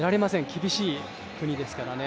厳しい国ですからね。